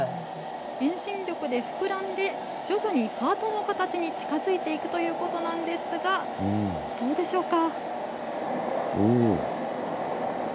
遠心力で膨らんで徐々にハートの形に近づいていくということなんですがどうでしょうか。